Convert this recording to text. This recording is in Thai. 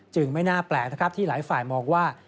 จึงไม่น่าแปลกที่หลายฝ่ายมองว่า